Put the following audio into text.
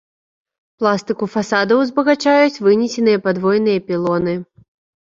Пластыку фасадаў узбагачаюць вынесеныя падвойныя пілоны.